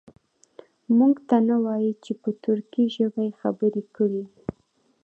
موږ ته نه وایي چې په ترکي ژبه یې خبرې کړي.